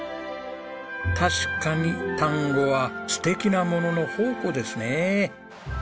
確かに丹後は素敵なものの宝庫ですね。